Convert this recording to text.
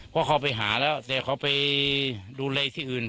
เพราะเขาไปหาแล้วแต่เขาไปดูแลที่อื่น